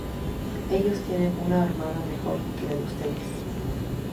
Ellos tienen una armada mejor que la de ustedes.